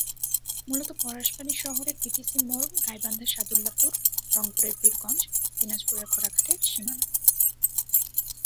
মূলত পলাশবাড়ী শহরের বিটিসি মোড় গাইবান্ধার সাদুল্যাপুর, রংপুরের পীরগঞ্জ, দিনাজপুরের ঘোড়াঘাটের সীমানা।